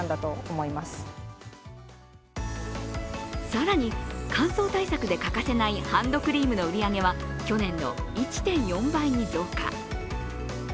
更に、乾燥対策で欠かせないハンドクリームの売り上げは去年の１．４倍に増加。